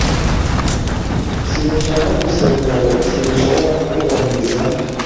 Sinshaka gusezerana sinshobora kubahiriza.